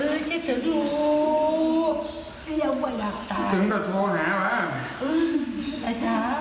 เออคิดถึงลูกยังไม่อยากตายคิดถึงตัวโทษไงอ่ะอืม